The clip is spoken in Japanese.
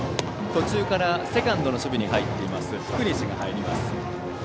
途中からセカンドの守備に入っている福西が入ります。